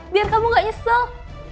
biar kamu gak nyesel